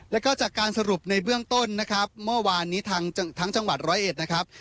แล้วก็จากการสรุปในเบื้องต้นนะครับเมื่อวานนี้ทางทั้งจังหวัดร้อยเอ็ดนะครับ